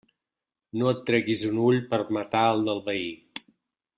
No et treguis un ull per matar el del veí.